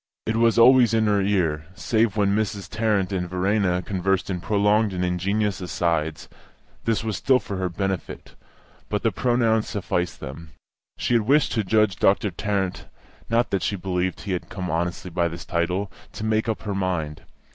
It was always in her ear, save when Mrs. Tarrant and Verena conversed in prolonged and ingenuous asides; this was still for her benefit, but the pronoun sufficed them. She had wished to judge Doctor Tarrant (not that she believed he had come honestly by his title), to make up her mind.